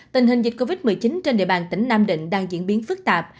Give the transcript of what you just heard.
tình hình dịch covid một mươi chín trên địa bàn tỉnh nam định đang diễn biến phức tạp